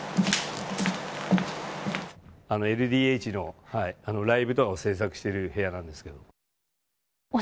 ＬＤＨのライブを制作してる部屋なんですけど。